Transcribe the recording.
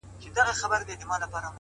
عاجزي د لویو زړونو ځانګړنه ده,